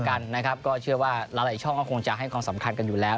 กันนะครับก็เชื่อว่าหลายช่องก็คงจะให้ความสำคัญกันอยู่แล้ว